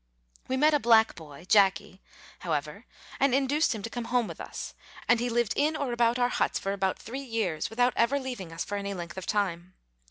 We met a black boy (Jacky), however, and induced him to come home with us, and he lived in or about our huts for about three years without ever leaving us for any length of time.